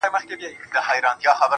مرسته وکړي